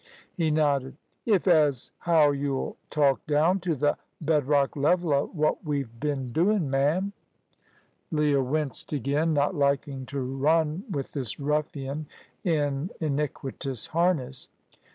He nodded. "If as how you'll talk down t' th' bed rock level of what we've bin doin', ma'am." Leah winced again, not liking to run with this ruffian in iniquitous harness.